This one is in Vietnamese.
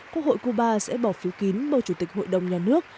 quốc hội cuba sẽ bỏ phiếu kín bầu chủ tịch hội đồng nhà nước